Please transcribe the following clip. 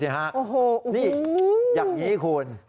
อุ้โฮอย่างนี้คุณ